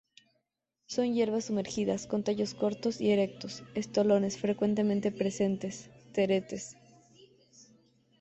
Son hierbas sumergidas; con tallos cortos y erectos; estolones frecuentemente presentes, teretes.